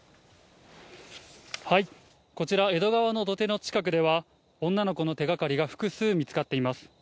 こちら、江戸川の土手の近くでは、女の子の手がかりが複数見つかっています。